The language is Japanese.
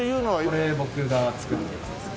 これ僕が作ったやつですね。